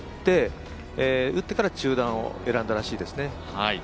打ってから中断を選んだらしいですね。